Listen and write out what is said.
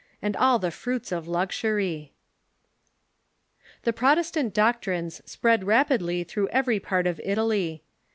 And all the fruits of luxury." 270 THE RKFORMATION The Protestant doctrines spread rapidly through every part of Italy.